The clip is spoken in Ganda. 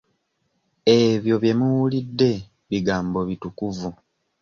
Ebyo bye muwulidde bigambo bitukuvu.